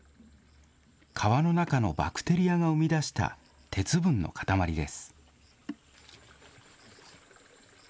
川の中のバクテリアが生み出した鉄分の塊です。